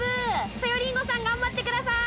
さゆりんごさん頑張ってください。